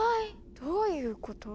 どういうこと？